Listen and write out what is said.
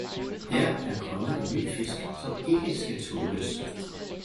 Her er kommet en ny fisk, som ikke skal tåles.